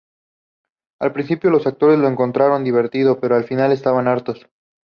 Al principio los actores lo encontraron divertido, pero al final estaban hartos.